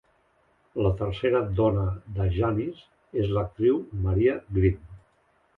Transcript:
La tercera dona de Janis és l'actriu Maria Grimm.